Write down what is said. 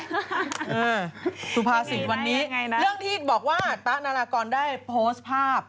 อืมสุภาษิกษ์วันนี้เรื่องที่อิทบอกว่าต๊ะนรกรได้โพสต์ภาพ